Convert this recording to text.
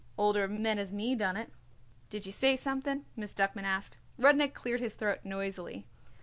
Older men as me done it." "Did you say something?" Miss Duckman asked. Rudnik cleared his throat noisily.